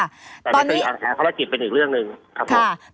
แต่นั่นคือปัญหาภารกิจเป็นอีกเรื่องหนึ่งครับผม